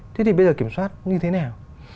thế thì bây giờ kiểm soát như thế nào